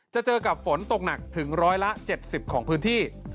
เจอกับฝนตกหนักถึงร้อยละ๗๐ของพื้นที่